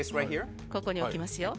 ここに置きますよ。